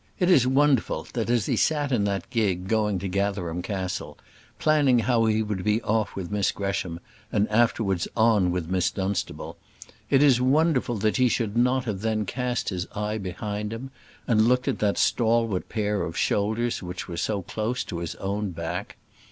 It is wonderful that as he sat in that gig, going to Gatherum Castle, planning how he would be off with Miss Gresham and afterwards on with Miss Dunstable, it is wonderful that he should not then have cast his eye behind him, and looked at that stalwart pair of shoulders which were so close to his own back.